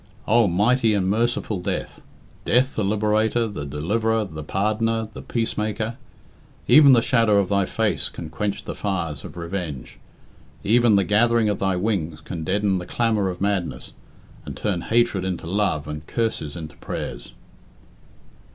Oh, mighty and merciful Death! Death the liberator, the deliverer, the pardoner, the peace maker! Even the shadow of thy face can quench the fires of revenge; even the gathering of thy wings can deaden the clamour of madness, and turn hatred into love and curses into prayers.